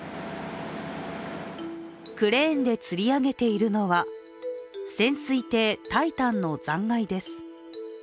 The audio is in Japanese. クレーンでつり上げているのは潜水艇「タイタン」の残骸です。